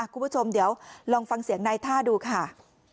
คุณผู้ชมเดี๋ยวลองฟังเสียงนายท่าดูค่ะ